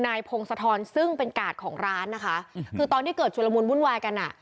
พงศธรซึ่งเป็นกาดของร้านนะคะคือตอนที่เกิดชุลมุนวุ่นวายกันอ่ะ